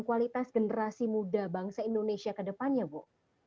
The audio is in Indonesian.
kualitas generasi muda bangsa indonesia ke depannya bu